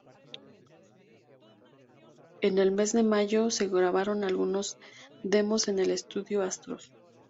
En el mes de mayo se grabaron algunos demos en el estudio Astros.